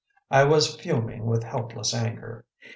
I was fuming with helpless anger.